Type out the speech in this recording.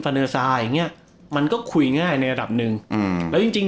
เนอร์ซาอย่างเงี้ยมันก็คุยง่ายในระดับหนึ่งอืมแล้วจริงจริง